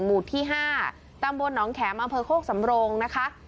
หมู่ที่๕ตำบลหนองแขมอำเภอโคกสำโรงนะคะ